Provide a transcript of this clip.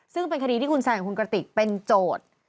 ซึ่งเป็นคดีที่คุณแซนกับคุณกระติกเป็นโจทย์